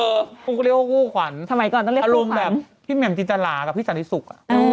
คุกเรียกว่าคู่ขวัญอารมณ์แบบพี่เหหแหมงมจิตลากับพี่สาริสุก